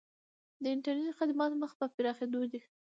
د انټرنیټ خدمات مخ په پراخیدو دي